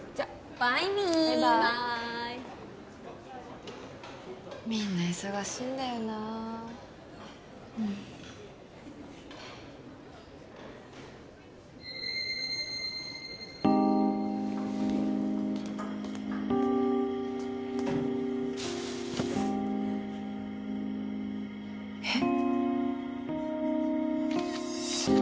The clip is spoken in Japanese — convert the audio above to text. バイバイみんな忙しいんだよなえっ？